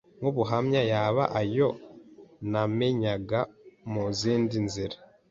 nk’ubuhamya, yaba ayo namenyaga mu zindi nzira